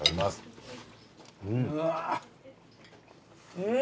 うん！